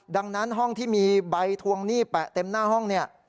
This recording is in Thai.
ดังนั้นห้องที่มีใบทวงหนี้แปะเต็มหน้าห้องเนี่ย